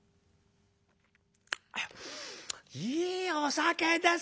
「いいお酒ですね。